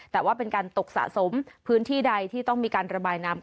แต่ว่าเป็นการตกสะสมพื้นที่ใดที่ต้องมีการระบายน้ำ